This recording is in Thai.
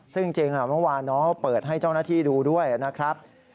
ซึ่งจริงเมื่อวานน้องเปิดให้เจ้าหน้าที่ดูด้วยนะครับ